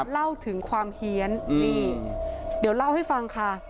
เล่าถึงความเฮียนนี่เดี๋ยวเล่าให้ฟังค่ะ